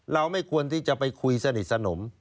เราไม่ควรที่จะไปคุยสนิทสนม